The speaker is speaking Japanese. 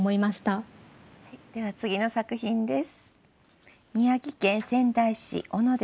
では次の作品です。